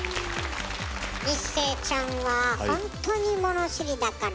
一生ちゃんはほんとに物知りだから。